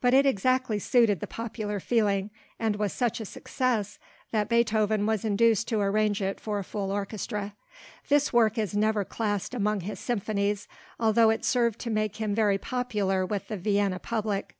But it exactly suited the popular feeling, and was such a success that Beethoven was induced to arrange it for full orchestra. This work is never classed among his symphonies, although it served to make him very popular with the Vienna public.